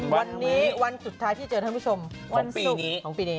วันนี้วันสุดท้ายที่เจอทั้งผู้ชมของปีนี้ของปีนี้